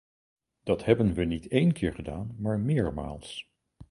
Dat hebben we niet een keer gedaan, maar meermaals.